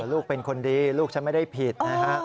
ลูกเป็นคนดีลูกฉันไม่ได้ผิดนะฮะ